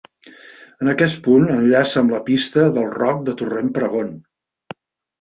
En aquest punt enllaça amb la Pista del Roc de Torrent Pregon.